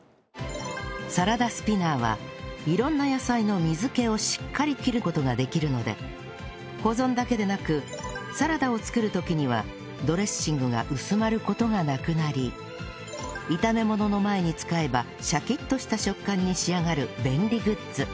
サラダスピナーは色んな野菜の水気をしっかり切る事ができるので保存だけでなくサラダを作る時にはドレッシングが薄まる事がなくなり炒め物の前に使えばシャキッとした食感に仕上がる便利グッズ